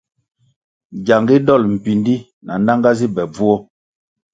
Giangu dol mpíndí na nanga zi be bvuo.